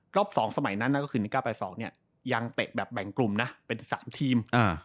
๒สมัยนั้นก็คือ๑๙๘๒เนี่ยยังเตะแบบแบ่งกลุ่มนะเป็น๓ทีม